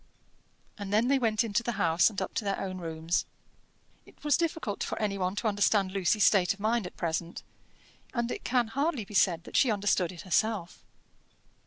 And then they went into the house and up to their own rooms. It was difficult for any one to understand Lucy's state of mind at present, and it can hardly be said that she understood it herself.